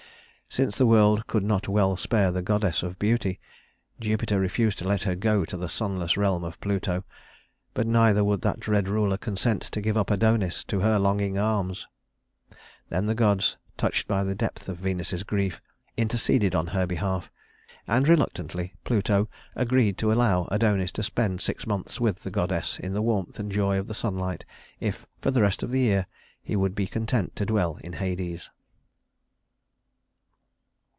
Since the world could not well spare the goddess of beauty, Jupiter refused to let her go to the sunless realm of Pluto; but neither would that dread ruler consent to give up Adonis to her longing arms. Then the gods, touched by the depth of Venus's grief, interceded in her behalf, and reluctantly Pluto agreed to allow Adonis to spend six months with the goddess in the warmth and joy of the sunlight if for the rest of the year he would be content to dwell in Hades.